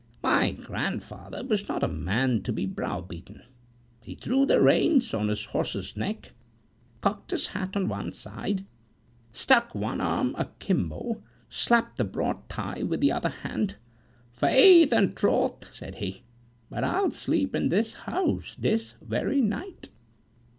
My grandfather was not a man to be browbeaten. He threw the reins on his horse's neck, cocked his hat on one side, stuck one arm akimbo, slapped his broad thigh with the other hand "Faith and troth!" said he, "but I'll sleep in this house this very night!"